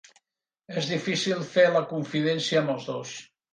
És difícil fer la confidència amb els dos.